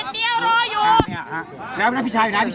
ดูพฤติกรรมมาเองน่ะดูน่ะพวกที่มียานสัมผัส